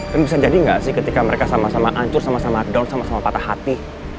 tapi bisa jadi nggak sih ketika mereka sama sama hancur sama sama down sama sama patah hati